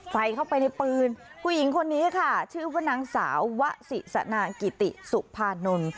ใส่เข้าไปในปืนผู้หญิงคนนี้ค่ะชื่อว่านางสาววะสิสนากิติสุภานนท์